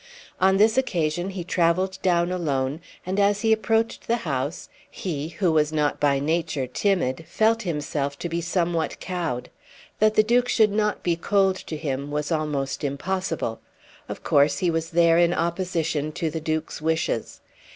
On this occasion he travelled down alone, and as he approached the house he, who was not by nature timid, felt himself to be somewhat cowed. That the Duke should not be cold to him was almost impossible. Of course he was there in opposition to the Duke's wishes.